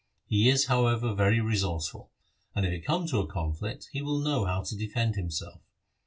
He is, however, very resourceful, and, if it come to a conflict, he will know how to defend himself.